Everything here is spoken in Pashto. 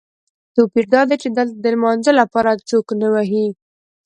توپیر دادی چې دلته د لمانځه لپاره څوک نه وهي.